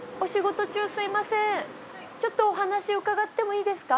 ちょっとお話伺ってもいいですか？